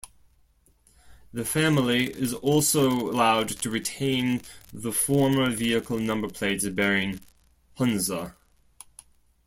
The family is also allowed to retain the former vehicle number plates bearing 'Hunza'.